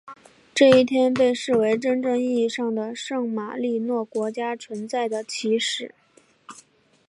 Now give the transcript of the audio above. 这一天被视为真正意义上的圣马力诺国家存在的起始。